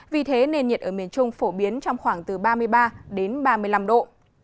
vì thế nền nhiệt ở miền trung phổ biến trong khoảng từ ba mươi ba đến ba mươi năm độ